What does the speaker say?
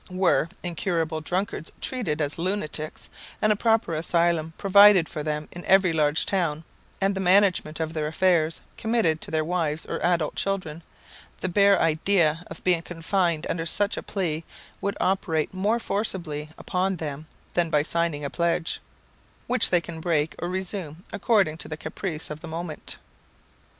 Were incurable drunkards treated as lunatics, and a proper asylum provided for them in every large town, and the management of their affairs committed to their wives or adult children, the bare idea of being confined under such a plea would operate more forcibly upon them than by signing a pledge, which they can break or resume according to the caprice of the moment.